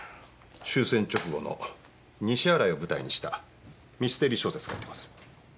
終戦直後の西新井を舞台にしたミステリー小説書いてます。